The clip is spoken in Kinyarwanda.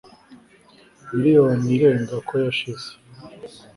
miliyoni irenga ko yashize